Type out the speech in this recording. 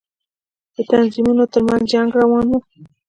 د تنظيمونو تر منځ جنگ روان و.